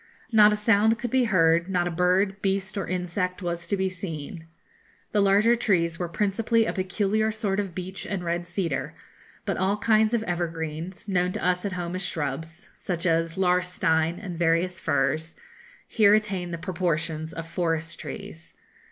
Not a sound could be heard; not a bird, beast, or insect was to be seen. The larger trees were principally a peculiar sort of beech and red cedar, but all kinds of evergreens, known to us at home as shrubs, such as laurestine, and various firs, here attain the proportions of forest trees.